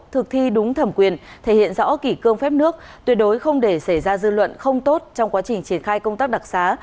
thực thi đúng thẩm quyền thể hiện rõ kỷ cương phép nước tuyệt đối không để xảy ra dư luận không tốt trong quá trình triển khai công tác đặc xá